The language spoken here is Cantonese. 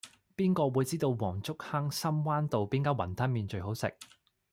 邊個會知道黃竹坑深灣道邊間雲吞麵最好食